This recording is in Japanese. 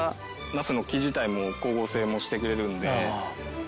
ナスの木自体も光合成をしてくれるので。